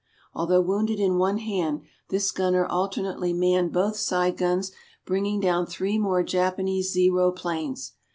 Although wounded in one hand, this gunner alternately manned both side guns, bringing down three more Japanese "Zero" planes.